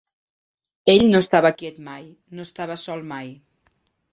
Ell no estava quiet mai, no estava sol mai.